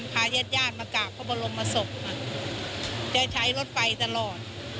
พาเย็ดย่านมากราบพระบรมมาศพจะใช้รถไฟตลอด